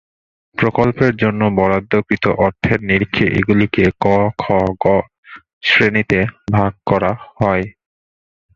প্রকল্পের জন্য বরাদ্দকৃত অর্থের নিরিখে এগুলিকে ক, খ, গ শ্রেণিতে ভাগ করা হয়।